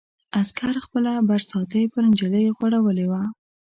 عسکر خپله برساتۍ پر نجلۍ غوړولې وه.